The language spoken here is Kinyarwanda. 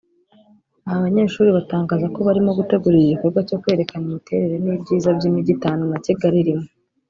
Aba banyeshuri batangaza ko barimo gutegura igikorwa cyo kwerekana imiterere n’ibyiza by’imijyi itanu na Kigali irimo